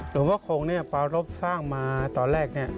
หลวงพ่อคงเนี่ยปารบริษัทสร้างมาตอนแรกนี่